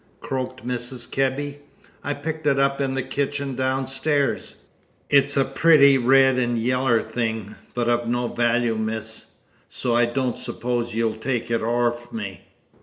croaked Mrs. Kebby. "I picked it up in the kitchen downstairs. It's a pretty red and yaller thing, but of no value, miss, so I don't s'pose you'll take it orf me."